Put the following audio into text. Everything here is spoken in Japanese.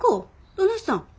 どないしたん？